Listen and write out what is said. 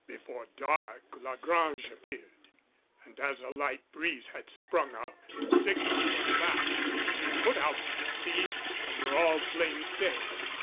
Before dark La Grange appeared, and as a light breeze had sprung up, signals were flashed and we put out to sea under all plain sail.